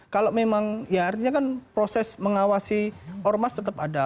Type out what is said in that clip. kalau memang ya artinya kan proses mengawasi ormas tetap ada